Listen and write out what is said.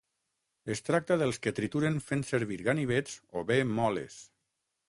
Es tracta dels que trituren fent servir ganivets o bé moles.